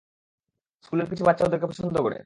স্কুলের কিছু বাচ্চা ওদেরকে পছন্দ করে।